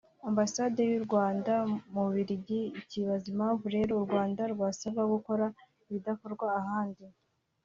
Ambasade y’u Rwanda mu Bubiligi ikibaza impamvu rero u Rwanda rwasabwa gukora ibidakorwa ahandi